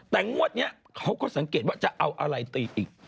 แต่งวดนี้เขาก็สังเกตว่าจะเอาอะไรตีอีก